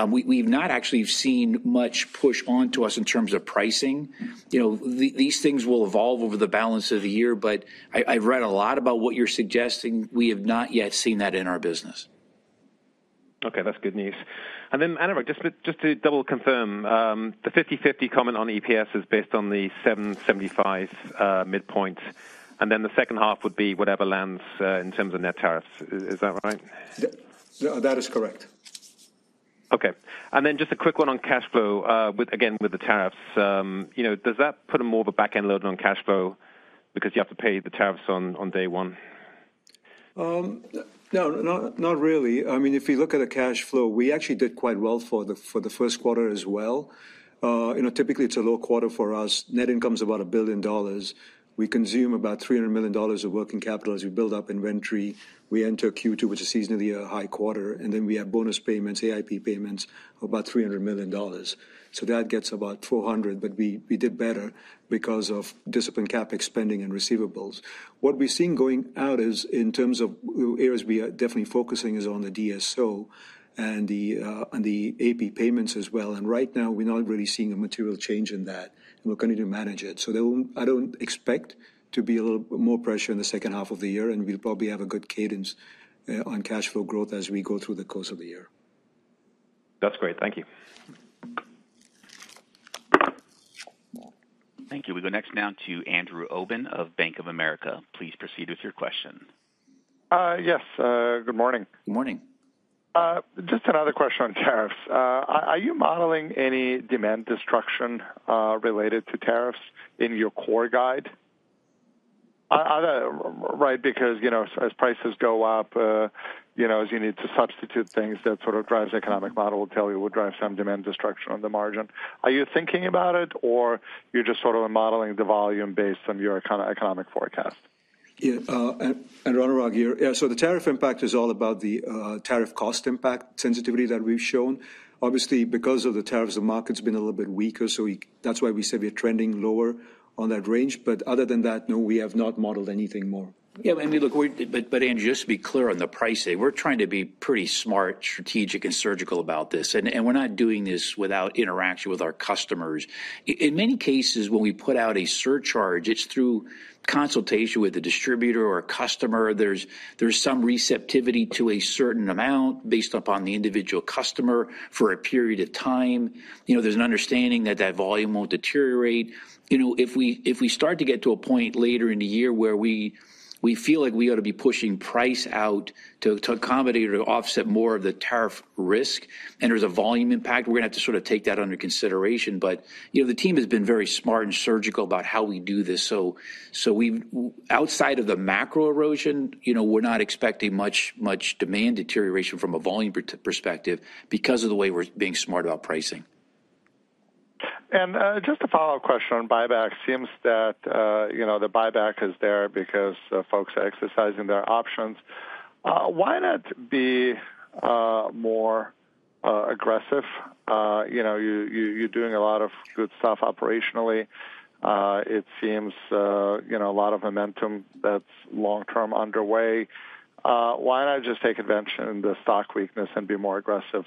We've not actually seen much push onto us in terms of pricing. These things will evolve over the balance of the year, but I've read a lot about what you're suggesting. We have not yet seen that in our business. Okay. That's good news. Anurag, just to double confirm, the 50/50 comment on EPS is based on the $7.75 midpoint, and the second half would be whatever lands in terms of net tariffs. Is that right? That is correct. Okay. Just a quick one on cash flow, again, with the tariffs. Does that put more of a backend load on cash flow because you have to pay the tariffs on day one? No, not really. I mean, if you look at the cash flow, we actually did quite well for the Q1 as well. Typically, it's a low quarter for us. Net income is about $1 billion. We consume about $300 million of working capital as we build up inventory. We enter Q2, which is seasonally a high quarter, and then we have bonus payments, AIP payments of about $300 million. That gets about $400 million, but we did better because of discipline, CapEx spending, and receivables. What we're seeing going out is in terms of areas we are definitely focusing is on the DSO and the AP payments as well. Right now, we're not really seeing a material change in that, and we're going to manage it. I do not expect to be a little more pressure in the second half of the year, and we'll probably have a good cadence on cash flow growth as we go through the course of the year. That's great. Thank you. Thank you. We go next now to Andrew Obin of Bank of America. Please proceed with your question. Yes. Good morning. Good morning. Just another question on tariffs. Are you modeling any demand destruction related to tariffs in your core guide? Right. Because as prices go up, as you need to substitute things that sort of drives the economic model, we'll tell you it would drive some demand destruction on the margin. Are you thinking about it, or you're just sort of modeling the volume based on your kind of economic forecast? Yeah. Andrew, the tariff impact is all about the tariff cost impact sensitivity that we have shown. Obviously, because of the tariffs, the market has been a little bit weaker, so that is why we said we are trending lower on that range. Other than that, no, we have not modeled anything more. Yeah. Look, Andrew, just to be clear on the pricing, we are trying to be pretty smart, strategic, and surgical about this, and we are not doing this without interaction with our customers. In many cases, when we put out a surcharge, it is through consultation with a distributor or a customer. There is some receptivity to a certain amount based upon the individual customer for a period of time. There is an understanding that that volume will not deteriorate. If we start to get to a point later in the year where we feel like we ought to be pushing price out to accommodate or to offset more of the tariff risk and there's a volume impact, we're going to have to sort of take that under consideration. The team has been very smart and surgical about how we do this. Outside of the macro erosion, we're not expecting much demand deterioration from a volume perspective because of the way we're being smart about pricing. Just a follow-up question on buyback. It seems that the buyback is there because folks are exercising their options. Why not be more aggressive? You're doing a lot of good stuff operationally. It seems a lot of momentum that's long-term underway. Why not just take advantage of the stock weakness and be more aggressive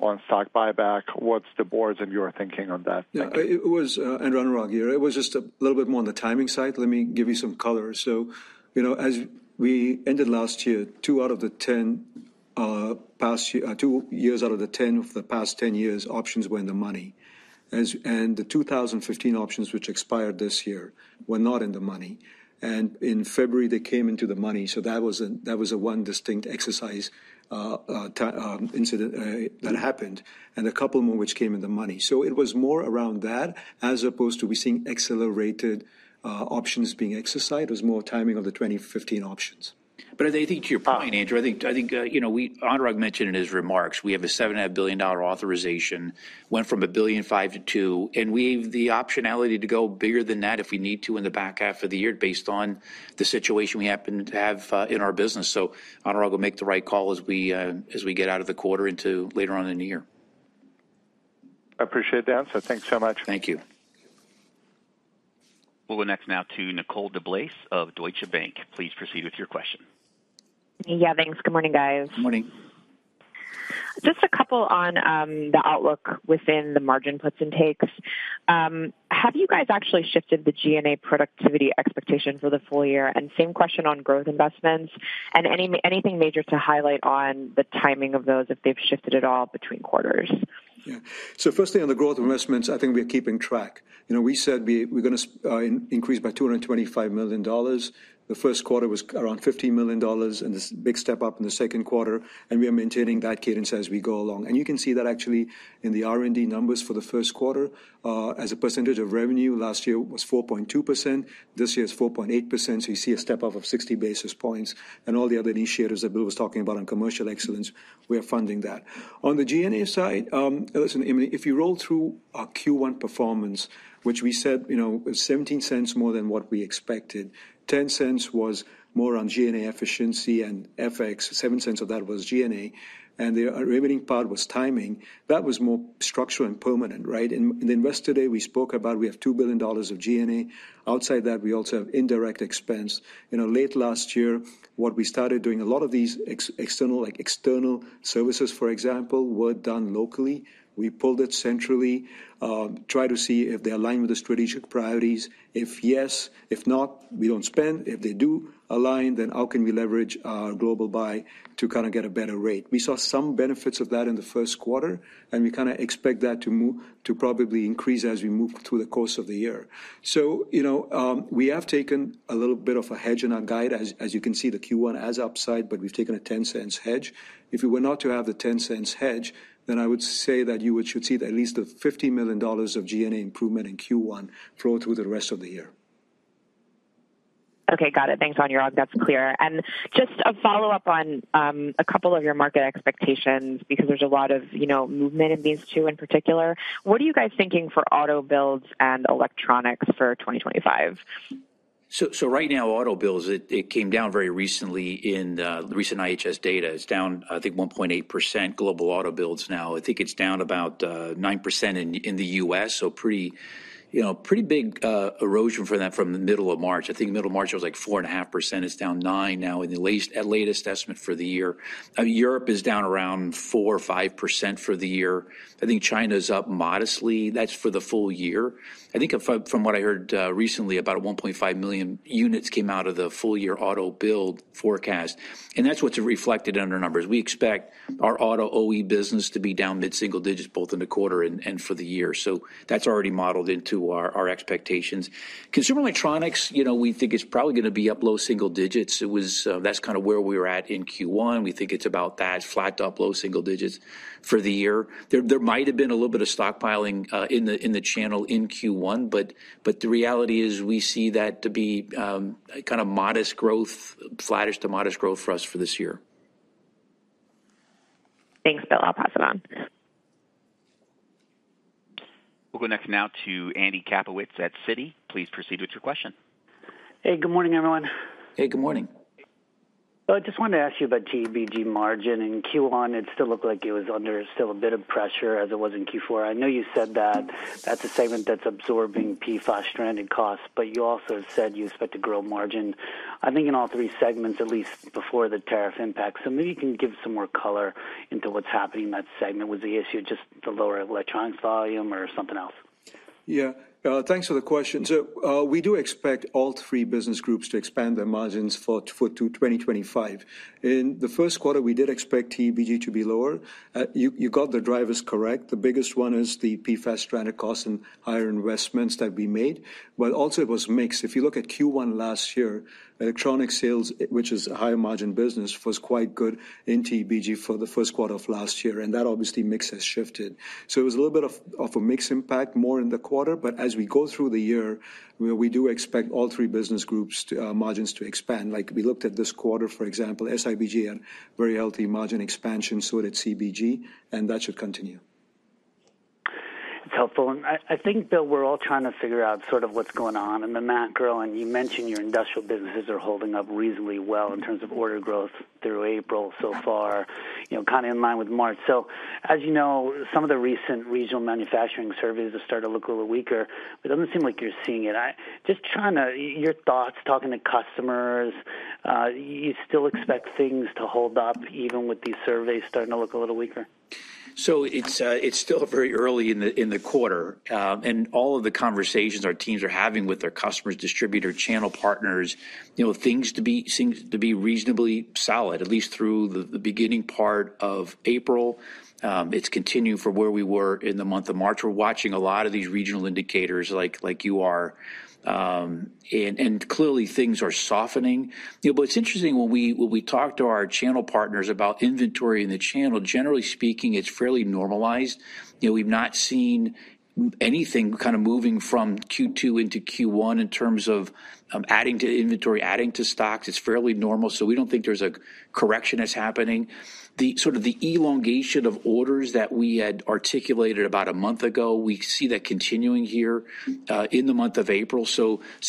on stock buyback? What's the Board's and your thinking on that? Yeah. And Anurag, it was just a little bit more on the timing side. Let me give you some color. As we ended last year, two out of the past 10 years, options were in the money. The 2015 options, which expired this year, were not in the money. In February, they came into the money. That was one distinct exercise incident that happened and a couple more which came in the money. It was more around that as opposed to seeing accelerated options being exercised. It was more timing of the 2015 options. I think to your point, Andrew, I think Anurag mentioned in his remarks, we have a $7.5 billion authorization, went from a billion five to two, and we have the optionality to go bigger than that if we need to in the back half of the year based on the situation we happen to have in our business. Anurag will make the right call as we get out of the quarter into later on in the year. I appreciate that answer. Thanks so much. Thank you. We'll go next now to Nicole DeBlase of Deutsche Bank. Please proceed with your question. Yeah. Thanks. Good morning, guys. Good morning. Just a couple on the outlook within the margin puts and takes. Have you guys actually shifted the G&A productivity expectation for the full year? Same question on growth investments and anything major to highlight on the timing of those if they've shifted at all between quarters? Yeah. Firstly, on the growth investments, I think we're keeping track. We said we're going to increase by $225 million. The Q1 was around $15 million, and there's a big step up in the Q2, and we are maintaining that cadence as we go along. You can see that actually in the R&D numbers for the Q1. As a percentage of revenue, last year was 4.2%. This year is 4.8%. You see a step up of 60 basis points. All the other initiatives that Bill was talking about on commercial excellence, we are funding that. On the G&A side, listen, if you roll through our Q1 performance, which we said was $0.17 more than what we expected, $0.10 was more on G&A efficiency and FX, $0.07 of that was G&A, and the remaining part was timing. That was more structural and permanent, right? In the Investor Day, we spoke about we have $2 billion of G&A. Outside that, we also have indirect expense. Late last year, what we started doing, a lot of these external services, for example, were done locally. We pulled it centrally, tried to see if they align with the strategic priorities. If yes, if not, we do not spend. If they do align, then how can we leverage our global buy to kind of get a better rate? We saw some benefits of that in the Q1, and we kind of expect that to probably increase as we move through the course of the year. We have taken a little bit of a hedge in our guide. As you can see, the Q1 has upside, but we've taken a $0.10 hedge. If we were not to have the $0.10 hedge, then I would say that you should see at least the $15 million of G&A improvement in Q1 flow through the rest of the year. Okay. Got it. Thanks, Anurag. That's clear. Just a follow-up on a couple of your market expectations because there's a lot of movement in these two in particular. What are you guys thinking for auto builds and electronics for 2025? Right now, auto builds, it came down very recently in the recent IHS data. It's down, I think, 1.8% global auto builds now. I think it's down about 9% in the U.S., so pretty big erosion for that from the middle of March. I think middle of March, it was like 4.5%. It's down 9% now in the latest estimate for the year. I mean, Europe is down around 4% or 5% for the year. I think China is up modestly. That's for the full year. I think from what I heard recently, about 1.5 million units came out of the full year auto build forecast, and that's what's reflected in our numbers. We expect our auto OEM business to be down mid-single digits both in the quarter and for the year. So that's already modeled into our expectations. Consumer electronics, we think it's probably going to be up low single digits. That's kind of where we were at in Q1. We think it's about that, flat up low single digits for the year. There might have been a little bit of stockpiling in the channel in Q1, but the reality is we see that to be kind of modest growth, flattish to modest growth for us for this year. Thanks, Bill. I'll pass it on. We'll go next now to Andy Kaplowitz at Citi. Please proceed with your question. Hey, good morning, everyone. Hey, good morning. I just wanted to ask you about TEBG margin in Q1. It still looked like it was under still a bit of pressure as it was in Q4. I know you said that that's a segment that's absorbing PFAS-stranded costs, but you also said you expect to grow margin, I think, in all three segments, at least before the tariff impact. Maybe you can give some more color into what's happening in that segment. Was the issue just the lower electronics volume or something else? Yeah. Thanks for the question. We do expect all three business groups to expand their margins for 2025. In the Q1, we did expect TEBG to be lower. You got the drivers correct. The biggest one is the PFAS-stranded costs and higher investments that we made. Also, it was mixed. If you look at Q1 last year, electronic sales, which is a higher margin business, was quite good in TEBG for the Q1 of last year, and that mix has shifted. It was a little bit of a mixed impact more in the quarter. As we go through the year, we do expect all three business groups' margins to expand. Like we looked at this quarter, for example, SIBG had very healthy margin expansion, so did CBG, and that should continue. It's helpful. I think, Bill, we're all trying to figure out sort of what's going on in the macro. You mentioned your industrial businesses are holding up reasonably well in terms of order growth through April so far, kind of in line with March. As you know, some of the recent regional manufacturing surveys have started to look a little weaker, but it doesn't seem like you're seeing it. Just trying to get your thoughts, talking to customers, you still expect things to hold up even with these surveys starting to look a little weaker? It's still very early in the quarter. All of the conversations our teams are having with our customers, distributor channel partners, things to be reasonably solid, at least through the beginning part of April. It has continued from where we were in the month of March. We are watching a lot of these regional indicators like you are. Clearly, things are softening. It is interesting when we talk to our channel partners about inventory in the channel, generally speaking, it is fairly normalized. We have not seen anything kind of moving from Q2 into Q1 in terms of adding to inventory, adding to stocks. It is fairly normal. We do not think there is a correction that is happening. Sort of the elongation of orders that we had articulated about a month ago, we see that continuing here in the month of April.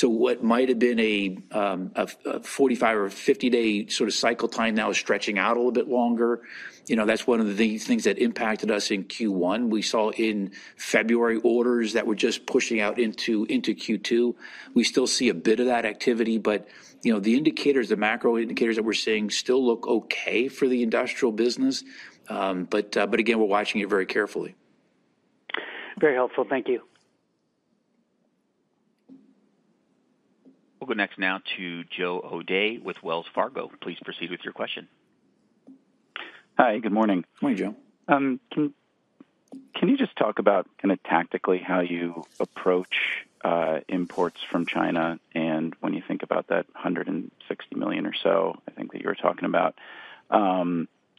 What might have been a 45 or 50-day sort of cycle time now is stretching out a little bit longer. That is one of the things that impacted us in Q1. We saw in February orders that were just pushing out into Q2. We still see a bit of that activity, but the indicators, the macro indicators that we are seeing still look okay for the industrial business. Again, we are watching it very carefully. Very helpful. Thank you. We will go next now to Joe O'Dea with Wells Fargo. Please proceed with your question. Hi. Good morning. Morning, Joe. Can you just talk about kind of tactically how you approach imports from China and when you think about that $160 million or so, I think, that you were talking about?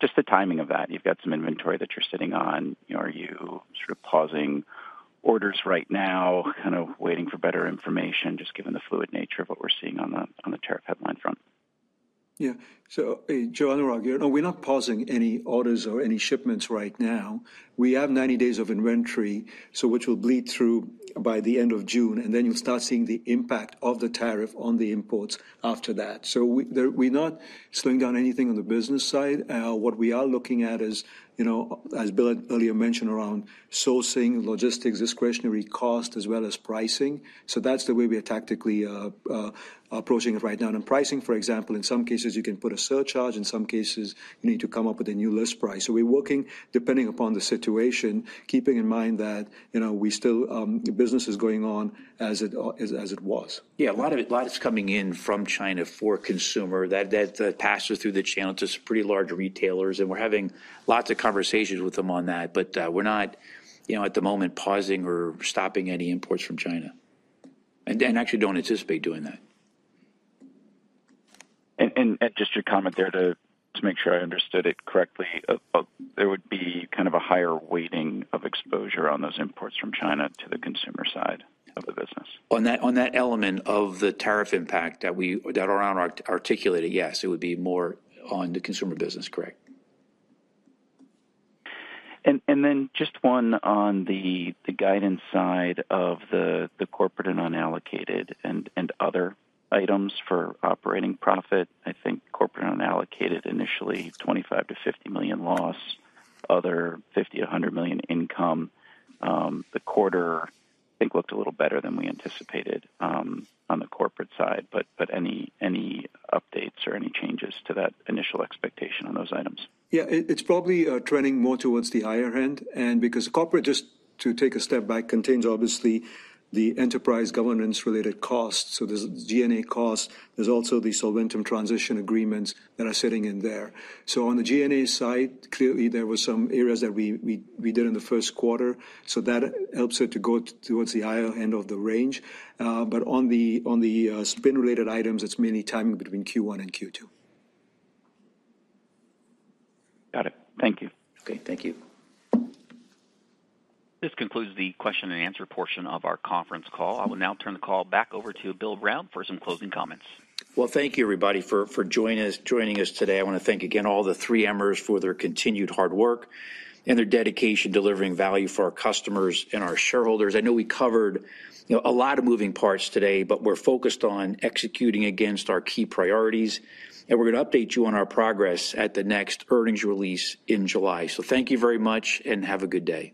Just the timing of that. You have got some inventory that you are sitting on. Are you sort of pausing orders right now, kind of waiting for better information, just given the fluid nature of what we're seeing on the tariff headline front? Yeah. So Joe, Anurag, we're not pausing any orders or any shipments right now. We have 90 days of inventory, which will bleed through by the end of June, and then you'll start seeing the impact of the tariff on the imports after that. We're not slowing down anything on the business side. What we are looking at is, as Bill earlier mentioned, around sourcing, logistics, discretionary cost, as well as pricing. That's the way we are tactically approaching it right now. Pricing, for example, in some cases, you can put a surcharge. In some cases, you need to come up with a new list price. We're working depending upon the situation, keeping in mind that business is going on as it was. Yeah. A lot of it's coming in from China for consumer that passes through the channel to some pretty large retailers. We're having lots of conversations with them on that. We're not at the moment pausing or stopping any imports from China. I actually don't anticipate doing that. Just your comment there to make sure I understood it correctly, there would be kind of a higher weighting of exposure on those imports from China to the consumer side of the business. On that element of the tariff impact that Anurag articulated, yes, it would be more on the consumer business, correct. Then just one on the guidance side of the corporate and unallocated and other items for operating profit.I think corporate and unallocated initially $25 million-$50 million loss, other $50 million-$100 million income. The quarter, I think, looked a little better than we anticipated on the corporate side. Any updates or any changes to that initial expectation on those items? Yeah. It's probably trending more towards the higher end. Because corporate, just to take a step back, contains obviously the enterprise governance-related costs. There are G&A costs. There are also the Solventum Transition Agreements that are sitting in there. On the G&A side, clearly there were some areas that we did in the Q1. That helps it to go towards the higher end of the range. On the spin-related items, it's mainly timing between Q1 and Q2. Got it. Thank you. Okay. Thank you. This concludes the question-and-answer portion of our conference call. I will now turn the call back over to Bill Brown for some closing comments. Thank you, everybody, for joining us today. I want to thank again all the 3Mers for their continued hard work and their dedication delivering value for our customers and our shareholders. I know we covered a lot of moving parts today, but we're focused on executing against our key priorities. We're going to update you on our progress at the next earnings release in July. Thank you very much and have a good day.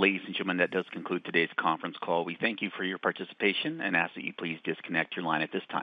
Ladies and gentlemen, that does conclude today's conference call. We thank you for your participation and ask that you please disconnect your line at this time.